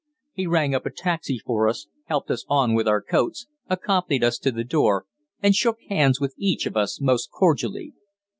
He rang up a taxi for us, helped us on with our coats, accompanied us to the door, and shook hands with each of us most cordially.